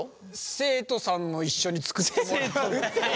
生徒さんも一緒に作ってもらうって。